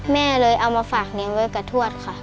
แม่เลยเอามาฝากเลี้ยงไว้กับทวดค่ะ